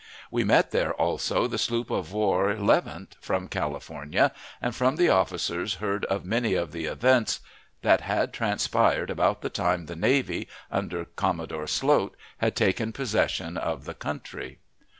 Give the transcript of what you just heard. We met there also the sloop of war levant, from California, and from the officers heard of many of the events that had transpired about the time the navy, under Commodore Sloat, had taken possession of the country.